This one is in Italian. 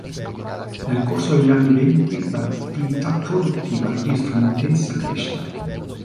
Nel corso degli anni Venti l'attività produttiva registra un'intensa crescita.